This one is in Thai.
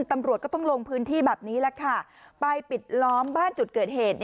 ตำรวจก็ต้องลงพื้นที่แบบนี้แหละค่ะไปปิดล้อมบ้านจุดเกิดเหตุ